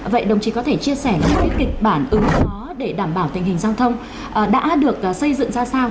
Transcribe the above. vậy đồng chí có thể chia sẻ những kịch bản ứng phó để đảm bảo tình hình giao thông đã được xây dựng ra sao